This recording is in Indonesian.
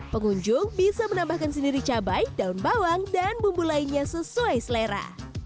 pengunjung bisa menambahkan sendiri cabai daun bawang dan bumbu lainnya sesuai selera